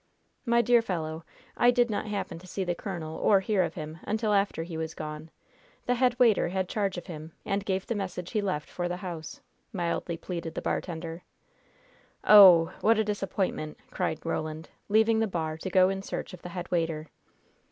"My dear fellow, I did not happen to see the colonel, or hear of him, until after he was gone. The head waiter had charge of him, and gave the message he left for the house," mildly pleaded the bartender. "Oh h h! what a disappointment!" cried Roland, leaving the bar to go in search of the head waiter.